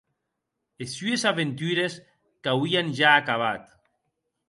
Es sues aventures qu’auien ja acabat.